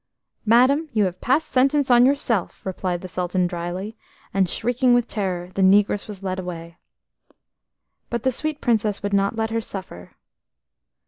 "Madam, you have passed sentence on yourself," replied the Sultan dryly, and, shrieking with terror, the negress was led away. But the sweet Princess would not let her suffer.